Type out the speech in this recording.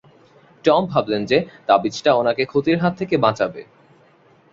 Tom ভাবলেন যে তাবিজটা ওনাকে ক্ষতির হাত থেকে বাঁচাবে।